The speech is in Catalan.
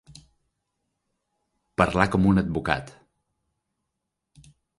Parlar com un advocat.